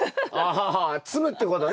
あ摘むってことね。